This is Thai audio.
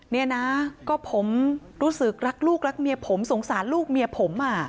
นี่นะก็ผมรู้สึกรักลูกรักเมียผมสงสารลูกเมียผม